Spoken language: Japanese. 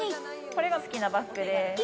これが好きなバッグです。